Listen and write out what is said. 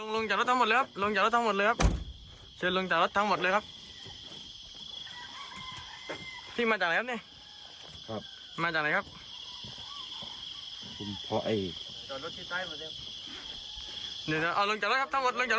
ลงมาลงมาลงมาทั้งหมดเลย